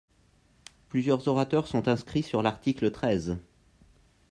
Plusieurs orateurs sont inscrits sur l’article treize.